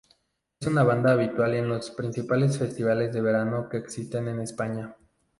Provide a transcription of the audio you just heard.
Es una banda habitual en los principales festivales de verano que existen en España.